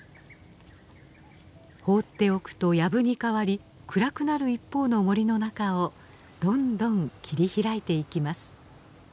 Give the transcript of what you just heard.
放っておくとやぶに変わり暗くなる一方の森の中をどんどん切り開いていきます。